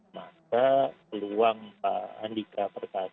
maka peluang pak andika perkasa